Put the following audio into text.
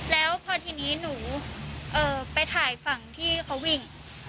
แล้วพอทีนี้หนูไปถ่ายฝั่งที่เขาวิ่ง